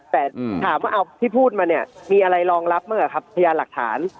แต่ถามว่าเอาที่พูดมาเนี่ยมีอะไรรองรับเมื่อไหร่ครับพยานหลักฐาน